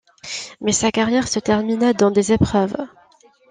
Mais sa carrière se termina dans des épreuves.